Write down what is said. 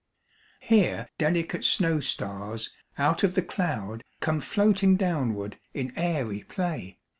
Here delicate snow stars, out of the cloud, Come floating downward in airy play.